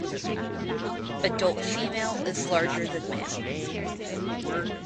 Adult female is larger than male.